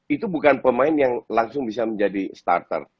itu bukan pemain yang langsung bisa menjadi starter